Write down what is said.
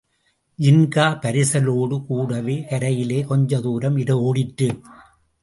ஜின்கா பரிசலோடு கூடவே கரையிலே கொஞ்ச தூரம் ஓடிற்று.